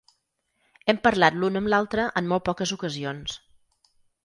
Hem parlat l’un amb l’altre en molt poques ocasions.